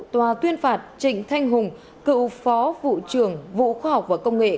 tòa tuyên phạt trịnh thanh hùng cựu phó vụ trưởng vụ khoa học và công nghệ